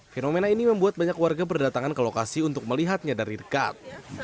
fenomena ini membuat banyak warga berdatangan ke lokasi untuk melihatnya dari dekat